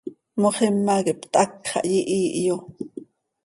Moxima quih hpthác xah yihiihyo.